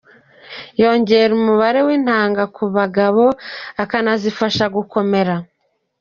Yongera umubare w’intanga kubagabo ukanazifasha gukomera.